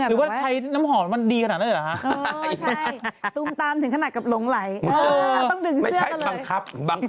เราไปกันด้วยกัน